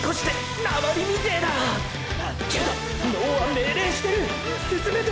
けど脳は命令してる進めと！！